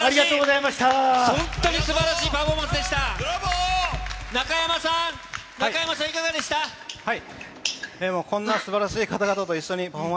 本当にすばらしいパフォーマブラボー！